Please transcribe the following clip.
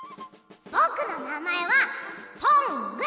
ぼくのなまえは「トング」。